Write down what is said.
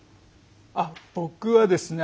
あっ僕はですね